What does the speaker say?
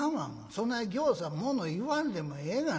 そないぎょうさんもの言わんでもええがな。